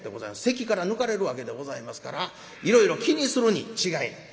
籍から抜かれるわけでございますからいろいろ気にするに違いない。